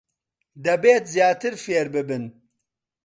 دەبێت زیاتر فێر ببن.